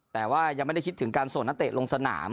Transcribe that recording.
แต่ว่ายังไม่ได้คิดถึงการส่งนักเตะลงสนาม